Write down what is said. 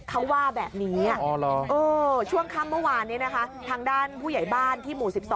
เขาว่าแบบนี้ช่วงค่ำเมื่อวานนี้นะคะทางด้านผู้ใหญ่บ้านที่หมู่๑๒